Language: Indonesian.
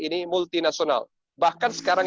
ini multi nasional bahkan sekarang